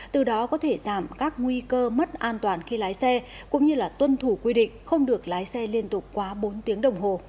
từ đó có thể giảm các nguy cơ mất an toàn khi lái xe cũng như tuân thủ quy định không được lái xe liên tục quá bốn tiếng đồng hồ